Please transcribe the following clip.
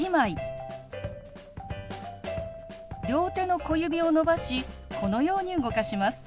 両手の小指を伸ばしこのように動かします。